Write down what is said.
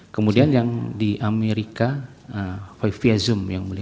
kemudian yang di amerika foy fiezum yang mulia